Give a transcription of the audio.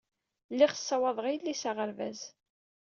Lliɣ ssawaḍeɣ yelli s aɣerbaz.